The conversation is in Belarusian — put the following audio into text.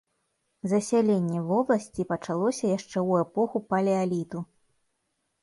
Засяленне вобласці пачалося яшчэ ў эпоху палеаліту.